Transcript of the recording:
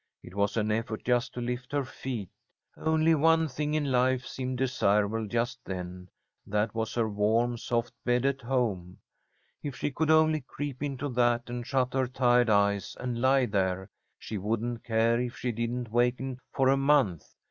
It was an effort just to lift her feet. Only one thing in life seemed desirable just then, that was her warm soft bed at home. If she could only creep into that and shut her tired eyes and lie there, she wouldn't care if she didn't waken for a month.